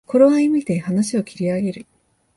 頃合いをみて話を切り上げる